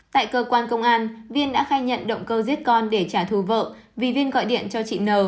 tại cơ quan công an viên đã khai nhận động cơ giết con để trả thù vợ vì viên gọi điện cho chị n